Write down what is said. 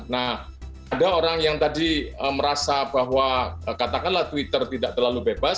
nah ada orang yang tadi merasa bahwa katakanlah twitter tidak terlalu bebas